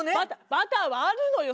バターはあるのよ